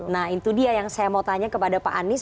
nah itu dia yang saya mau tanya kepada pak anies